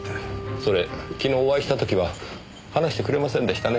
それきのうお会いした時は話してくれませんでしたね。